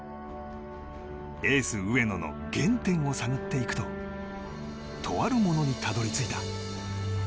エース上野の原点を探っていくととあるものにたどり着いた。